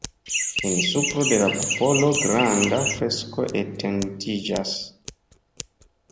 En supro de la kupolo granda fresko etendiĝas.